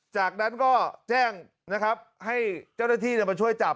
จากนั้นก็แจ้งให้เจ้าและที่มาช่วยจับ